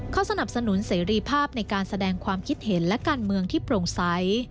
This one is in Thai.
เขาสนับสนุนเสรีภาพในการแสดงความคิดเห็นและการเมืองที่โปร่งใส